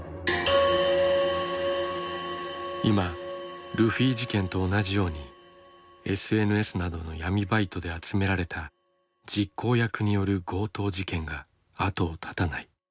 今ルフィ事件と同じようにＳＮＳなどの闇バイトで集められた実行役による強盗事件が後を絶たない。